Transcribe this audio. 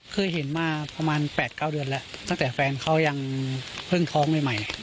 เคยเห็นมาประมาณ๘๙เดือนแล้วตั้งแต่แฟนเขายังเพิ่งท้องใหม่